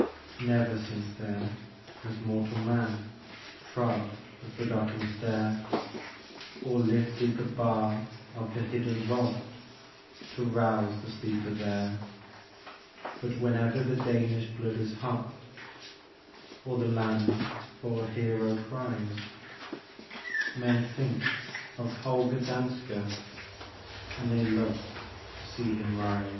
Never since then has mortal man Trod the forgotten stair, Or lifted the bar of the hidden vault To rouse the sleeper there. But whenever the Danish blood is hot, Or the land for a hero cries, Men think of Holger Danske, And they look to see him rise.